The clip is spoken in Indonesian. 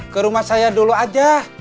ke rumah saya dulu aja